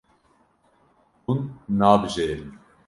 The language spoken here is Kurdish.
Hûn nabijêrin.